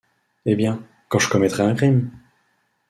Eh bien ! quand je commettrais un crime !